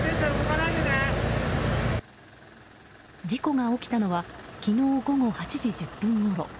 事故が起きたのは昨日午後８時１０分ごろ。